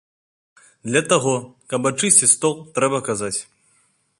Для таго, каб ачысціць стол, трэба казаць.